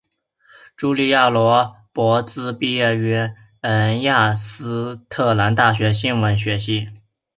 茱莉亚罗勃兹毕业于亚特兰大大学新闻学系。